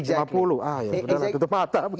ah ya sudah tetap mata